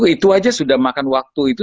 itu aja sudah makan waktu itu